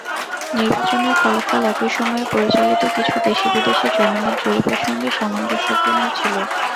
নির্বাচনের ফলাফল একই সময়ে পরিচালিত কিছু দেশি-বিদেশি জনমত জরিপের সঙ্গে সামঞ্জস্যপূর্ণ ছিল।